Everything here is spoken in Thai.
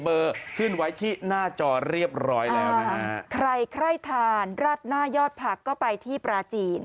ขึ้นไว้ที่หน้าจอเรียบร้อยแล้วนะฮะใครใครทานราดหน้ายอดผักก็ไปที่ปลาจีน